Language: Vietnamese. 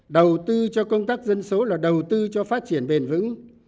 đầu tư cho công tác dân số là đầu tư cho phát triển bền vững